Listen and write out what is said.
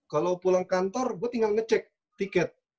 kalau pulang kantor gue tinggal ngecek tiket